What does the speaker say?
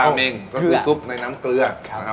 อันนี้คือซุปในน้ำเกลือ